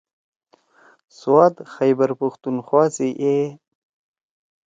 سوات خیبر پختون خوا سی اے